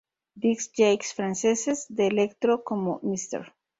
Disc-Jockeys franceses de electro, como "Mr.